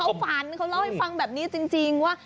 เขาฝันเขาเล่าให้ฟังแบบนี้จริงว่า